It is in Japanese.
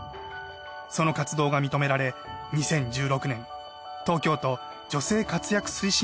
その活動が認められ２０１６年東京都女性活躍推進